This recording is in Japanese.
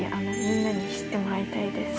みんなに知ってもらいたいです。